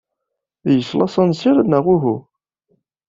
Dys laṣansir neɣ uhu?